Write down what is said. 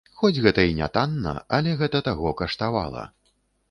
Хоць гэта і нятанна, але гэта таго каштавала.